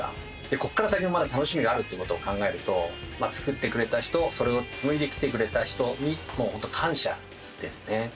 ここから先もまだ楽しみがあるって事を考えると作ってくれた人それを紡いできてくれた人にもう本当感謝ですね。